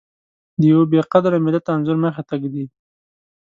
د يوه بې قدره ملت انځور مخې ته ږدي.